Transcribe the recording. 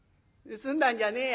「盗んだんじゃねえや。